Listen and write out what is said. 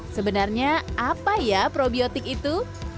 sebenarnya apa ya probiotik itu